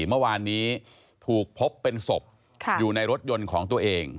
เมื่อวานนี้ถูกพบเป็นศพอยู่ในรถยนต์ของตัวเอง